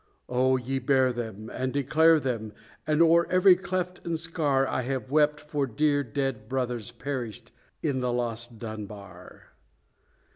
Oh! ye bear them, and declare them, and o'er every cleft and scar, I have wept for dear dead brothers perished in the lost Dunbar!